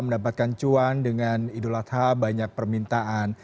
mendapatkan cuan dengan idul adha banyak permintaan